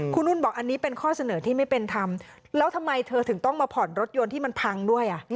คุณนุ่นบอกอันนี้เป็นข้อเสนอที่ไม่เป็นธรรมแล้วทำไมเธอถึงต้องมาผ่อนรถยนต์ที่มันพังด้วย